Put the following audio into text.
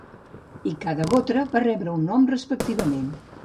I cada gotra va rebre un nom respectivament.